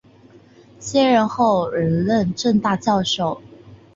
卸任后仍任政大教授。